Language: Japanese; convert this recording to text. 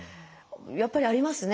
やっぱりありますね